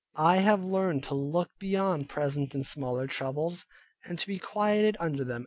I have learned to look beyond present and smaller troubles, and to be quieted under them.